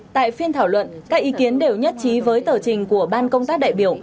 tại phiên thảo luận các ý kiến đều nhất trí với tờ trình của ban công tác đại biểu